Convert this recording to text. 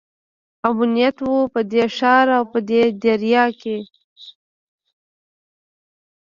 امنیت وو په دې ښار او دې دیار کې.